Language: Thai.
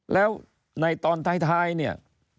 แล้วในตอนท้ายเนี่ย